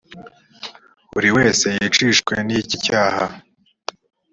buri wese yicishwe n’ icye cyaha.